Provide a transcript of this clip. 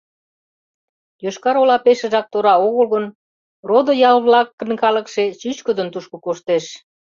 Йошкар-Ола пешыжак тора огыл гын, родо ял-влакын калыкше чӱчкыдын тушко коштеш.